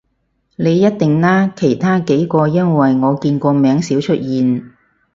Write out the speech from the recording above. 你一定啦，其他幾個因爲我見個名少出現